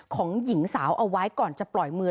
ของหญิงสาวเอาไว้ก่อนจะปล่อยมือ